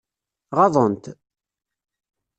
Ɣaḍen-t?